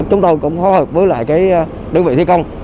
chúng tôi cũng hóa hợp với đơn vị thi công